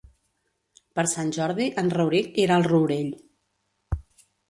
Per Sant Jordi en Rauric irà al Rourell.